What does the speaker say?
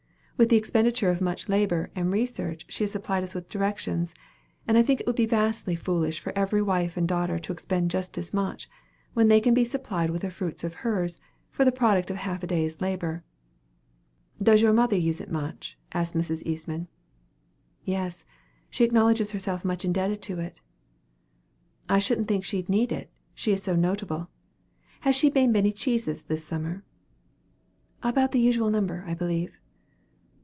"With the expenditure of much labor and research, she has supplied us with directions; and I think it would be vastly foolish for every wife and daughter to expend just as much, when they can be supplied with the fruits of hers, for the product of half a day's labor." "Does your mother use it much?" asked Mrs. Eastman. "Yes; she acknowledges herself much indebted to it." "I shouldn't think she'd need it; she is so notable. Has she made many cheeses this summer?" "About the usual number, I believe."